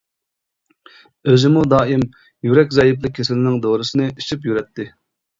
ئۆزىمۇ دائىم يۈرەك زەئىپلىك كېسىلىنىڭ دورىسىنى ئىچىپ يۈرەتتى.